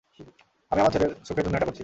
আমি আমার ছেলের সুখের জন্য এটা করছি।